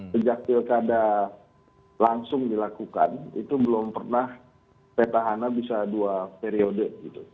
sejak pilkada langsung dilakukan itu belum pernah peta hana bisa dua periode gitu